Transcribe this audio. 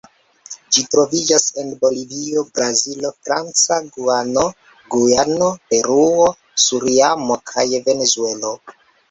Ĝi troviĝas en Bolivio, Brazilo, Franca Gujano, Gujano, Peruo, Surinamo kaj Venezuelo.